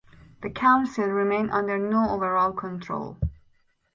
The council remained under no overall control.